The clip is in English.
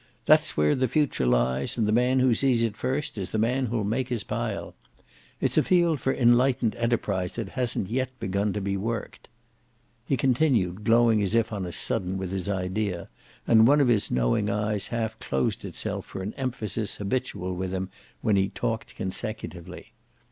That's where the future lies, and the man who sees it first is the man who'll make his pile. It's a field for enlightened enterprise that hasn't yet begun to be worked." He continued, glowing as if on a sudden with his idea, and one of his knowing eyes half closed itself for an emphasis habitual with him when he talked consecutively.